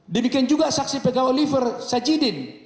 demikian juga saksi pegawai liver sajidin